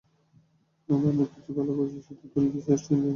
আমরা অনেক কিছুই খুব ভালো করেছি, শুধু তুলিতে শেষ টানটা দিতে পারিনি।